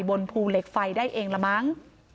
บนภูเหล็กไฟได้เองละมั้ง